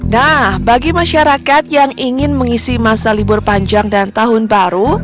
nah bagi masyarakat yang ingin mengisi masa libur panjang dan tahun baru